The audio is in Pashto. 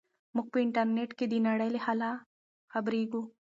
موږ په انټرنیټ کې د نړۍ له حاله خبریږو.